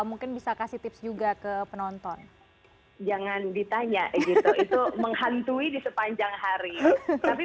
mungkin bisa kasih tips juga ke penonton jangan ditanya gitu itu menghantui di sepanjang hari tapi